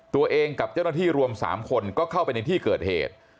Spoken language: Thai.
ตัวเองกับเจ้าหน้าที่รวม๓คนก็เข้าไปในที่เกิดเหตุ